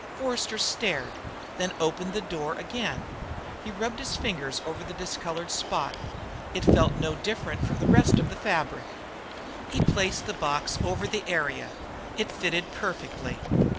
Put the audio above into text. Forster stared, then opened the door again. He rubbed his fingers over the discolored spot; it felt no different than the rest of the fabric. Then he placed the box over the area it fitted perfectly.